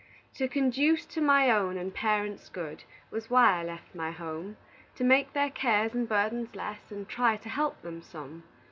"To conduce to my own and parents' good, Was why I left my home; To make their cares and burdens less, And try to help them some.